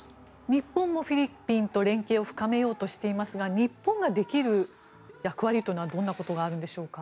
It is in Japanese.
日本もフィリピンと連携を深めようとしていますが日本ができる役割というのはどんなことがあるのでしょうか。